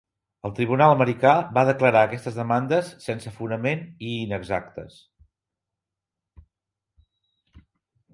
Un tribunal americà va declarar aquestes demandes "sense fonament i inexactes".